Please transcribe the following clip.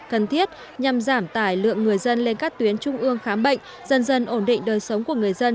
cần thiết nhằm giảm tải lượng người dân lên các tuyến trung ương khám bệnh dần dần ổn định đời sống của người dân